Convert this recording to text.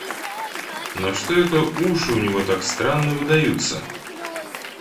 Но что это уши у него так странно выдаются!